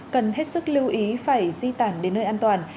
cần hết sức lưu ý phải di tản đến nơi an toàn